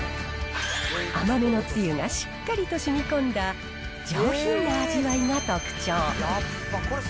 甘めのつゆがしっかりとしみこんだ上品な味わいが特徴。